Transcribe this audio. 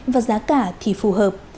và giá cả thì phù hợp